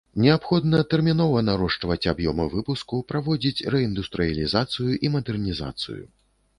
Неабходна тэрмінова нарошчваць аб'ёмы выпуску, праводзіць рэіндустрыялізацыю і мадэрнізацыю.